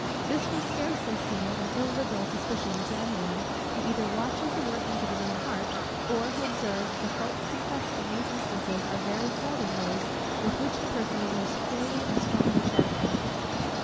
This will scarcely seem an illiberal suspicion to any one, who either watches the workings of his own heart, or who observes, that the faults confessed in these instances are very seldom those, with which the person is most clearly and strongly chargeable.